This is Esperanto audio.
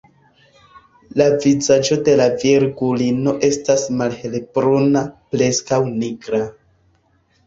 La vizaĝo de la Virgulino estas malhelbruna, preskaŭ nigra.